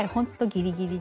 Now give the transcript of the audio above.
ギリギリ。